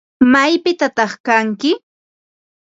¿Maypitataq kanki?